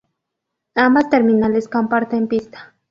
Ambas terminales comparten pista.